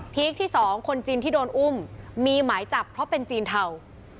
คที่๒คนจีนที่โดนอุ้มมีหมายจับเพราะเป็นจีนเทา